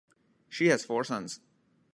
She has four sons.